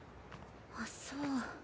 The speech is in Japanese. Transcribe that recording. あっそう。